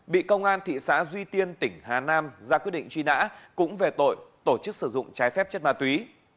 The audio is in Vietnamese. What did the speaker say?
bị công an thị xã duy tiên tỉnh hà nam ra quyết định truy nã cũng về tội tổ chức sử dụng trái phép chất ma túy